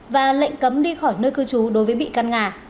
và lệnh cấm đi khỏi nơi cư trú đối với bị can nga